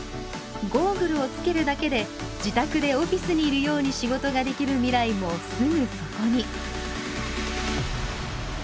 ゴーグルをつけるだけで自宅でオフィスにいるように仕事ができる未来もすぐそこに。